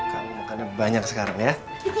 kamu makanya banyak sekarang ya